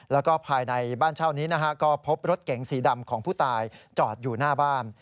แล้วก็ภายในบ้านเช่านี้นะฮะก็พบรถเก๋งสีดำของผู้ตายจอดอยู่หน้าบ้าน